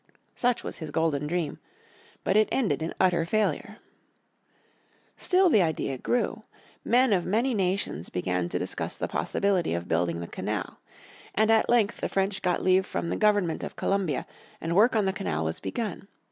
Such was his golden dream, but it ended in utter failure. Still the idea grew. Men of many nations began to discuss the possibility of building the canal. And at length the French got leave from the Government of Columbia and work on the canal was begun.